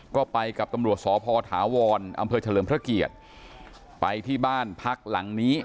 ก็ไปกับตำรวจสพถาวรอำเภอเฉลิมพระเกียรติไปที่บ้านพักหลังนี้